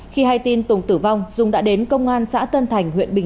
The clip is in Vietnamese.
khi hay tin tùng tử vong dung đã đến công an xã tân thành huyện bình